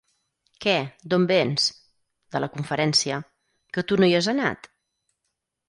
—Què, d’on vens? —De la conferència. Que tu no hi has anat?